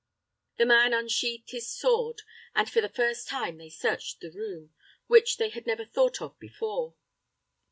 The man unsheathed his sword, and for the first time they searched the room, which they had never thought of before.